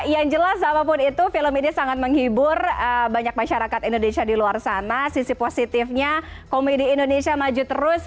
yang jelas apapun itu film ini sangat menghibur banyak masyarakat indonesia di luar sana sisi positifnya komedi indonesia maju terus